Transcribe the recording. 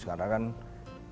karena kan kita